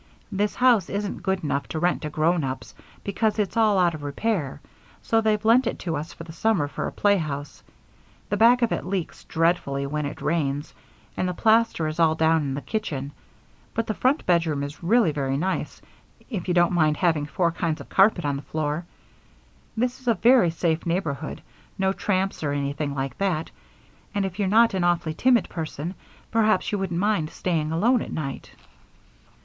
"This house isn't good enough to rent to grown ups because it's all out of repair, so they've lent it to us for the summer for a playhouse. The back of it leaks dreadfully when it rains, and the plaster is all down in the kitchen, but the front bedroom is really very nice if you don't mind having four kinds of carpet on the floor. This is a very safe neighborhood, no tramps or anything like that, and if you're not an awfully timid person, perhaps you wouldn't mind staying alone at night."